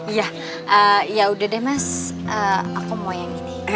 iya ya udah deh mas aku mau yang ini